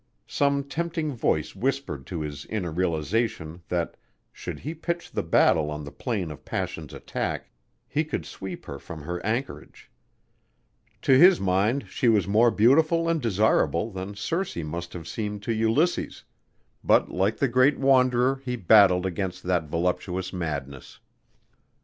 Some tempting voice whispered to his inner realization that, should he pitch the battle on the plane of passion's attack, he could sweep her from her anchorage. To his mind she was more beautiful and desirable than Circe must have seemed to Ulysses, but like the great wanderer he battled against that voluptuous madness.